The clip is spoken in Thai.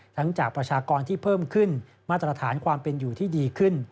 จากประชากรที่เพิ่มขึ้นมาตรฐานความเป็นอยู่ที่ดีขึ้น